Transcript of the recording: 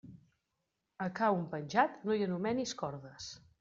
A ca un penjat, no hi anomenis cordes.